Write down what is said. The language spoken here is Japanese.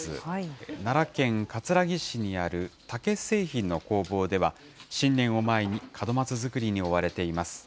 奈良県葛城市にある竹製品の工房では、新年を前に門松作りに追われています。